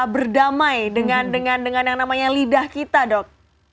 berdamai dengan yang namanya lidah kita dok